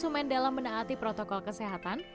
konsumen dalam menaati protokol kesehatan